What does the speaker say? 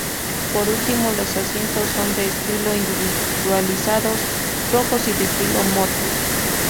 Por último, los asientos son de estilo individualizados, rojos y de estilo "Motte".